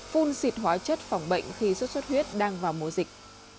phun xịt hóa chất phòng bệnh khi sốt sốt huyết đang vào mùa dịch